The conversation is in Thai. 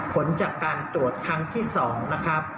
ผลจากการตรวจครั้งที่๒นะครับ